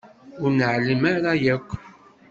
Ur nɛellem ara yakk.